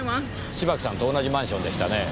芝木さんと同じマンションでしたね。